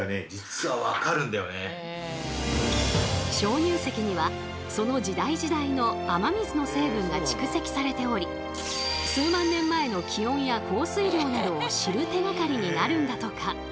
鍾乳石にはその時代時代の雨水の成分が蓄積されており数万年前の気温や降水量などを知る手がかりになるんだとか。